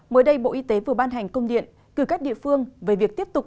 mới đây bộ y tế vừa ban hành công điện gửi các địa phương về việc tiếp tục